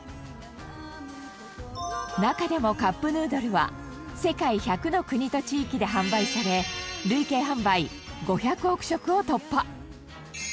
中でもカップヌードルは世界１００の国と地域で販売され累計販売５００億食を突破。